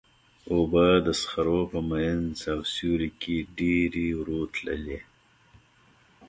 اوبه د صخرو په منځ او سیوري کې ډېرې ورو تللې.